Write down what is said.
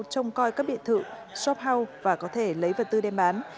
trông coi các biệt thự shop house và có thể lấy vật tư đem bán